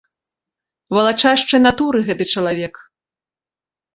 Валачашчай натуры гэты чалавек.